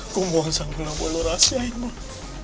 gue mohon sama allah buat lo rahasia ya boy